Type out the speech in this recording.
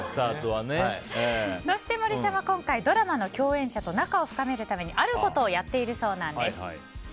そして、森さんは今回ドラマの共演者と仲を深めるためにあることをやっているそうなんです。